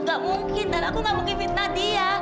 nggak mungkin tan aku nggak mungkin fitnah dia